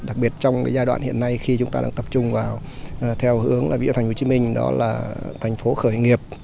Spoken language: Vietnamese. đặc biệt trong giai đoạn hiện nay khi chúng ta đang tập trung vào theo hướng vịa thành hồ chí minh đó là thành phố khởi nghiệp